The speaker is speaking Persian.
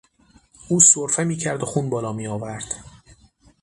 او سرفه میکرد و خون بالا میآورد.